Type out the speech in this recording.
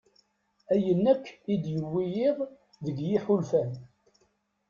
Ayen akk i d-yewwi yiḍ deg yiḥulfan.